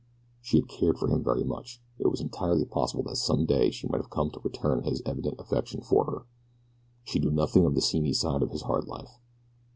She had cared for him very much it was entirely possible that some day she might have come to return his evident affection for her. She knew nothing of the seamy side of his hard life.